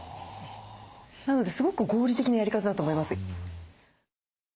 なのですごく合理的なやり方だと思います。